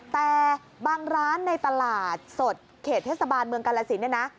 แต่บางร้านในตลาดสดเขตเทศบาลเมืองกาลสินเนี่ยนะ